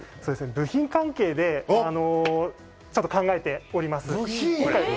部品関係でちょっと考えております。